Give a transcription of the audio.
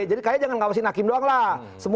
jadi kay jangan ngawasin hakim doang lah